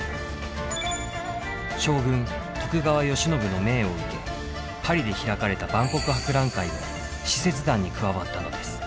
将軍徳川慶喜の命を受けパリで開かれた万国博覧会の使節団に加わったのです。